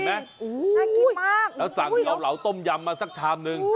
แล้วสั่งเขียวเหล่าเติมยำแล้วปีกันอ่ะ